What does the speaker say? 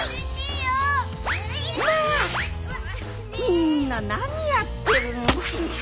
みんななにやってるの。